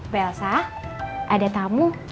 belsa ada tamu